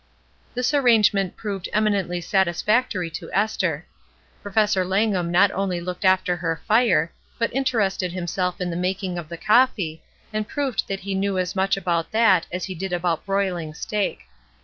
'' This arrangement proved eminently satis factory to Esther. Professor Langham not only looked after her fire, but interested himself in the making of the coffee, and proved that he knew as much about that as he did about broil ing steak.